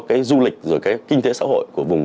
cái du lịch rồi cái kinh tế xã hội của vùng